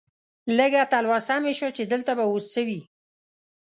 لږه تلوسه مې شوه چې دلته به اوس څه وي.